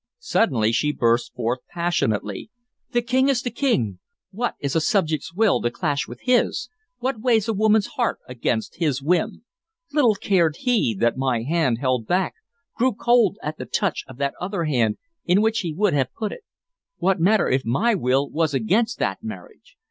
Suddenly she burst forth passionately: "The King is the King! What is a subject's will to clash with his? What weighs a woman's heart against his whim? Little cared he that my hand held back, grew cold at the touch of that other hand in which he would have put it. What matter if my will was against that marriage?